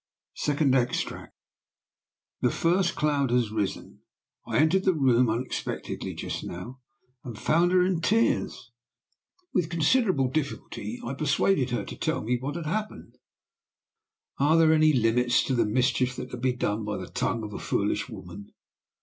SECOND EXTRACT. "The first cloud has risen. I entered the room unexpectedly just now, and found her in tears. "With considerable difficulty I persuaded her to tell me what had happened. Are there any limits to the mischief that can be done by the tongue of a foolish woman?